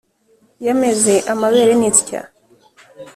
Yameze amabere n’insya